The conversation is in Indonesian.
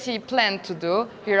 tapi yang dipilih untuk dibuat